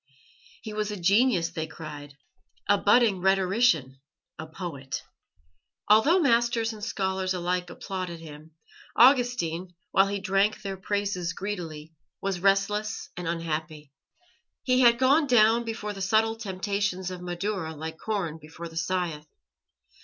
He was a genius, they cried, a budding rhetorician, a poet. Although masters and scholars alike applauded him, Augustine, while he drank their praises greedily, was restless and unhappy. He had gone down before the subtle temptations of Madaura like corn before the scythe.